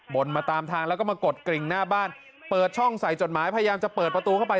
นมาตามทางแล้วก็มากดกริ่งหน้าบ้านเปิดช่องใส่จดหมายพยายามจะเปิดประตูเข้าไป